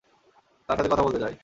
তার সাথে কথা বলতে চাই।